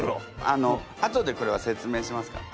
あのあとでこれは説明しますから。